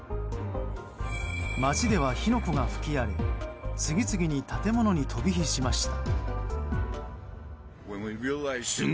街では火の粉が吹き荒れ次々に建物に飛び火しました。